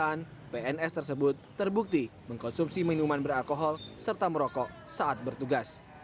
pemeriksaan pns tersebut terbukti mengkonsumsi minuman beralkohol serta merokok saat bertugas